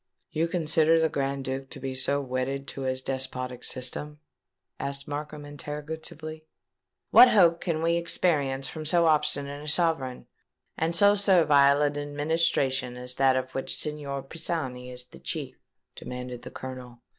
"You consider the Grand Duke to be so wedded to his despotic system?" said Markham interrogatively. "What hope can we experience from so obstinate a sovereign, and so servile an administration as that of which Signor Pisani is the chief?" demanded the Colonel.